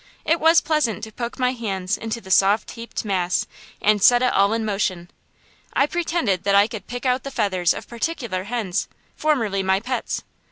It was pleasant to poke my hand into the soft heaped mass and set it all in motion. I pretended that I could pick out the feathers of particular hens, formerly my pets.